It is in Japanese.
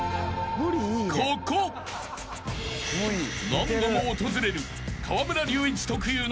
［何度も訪れる］